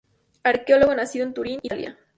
Arqueólogo nacido en Turín, Italia.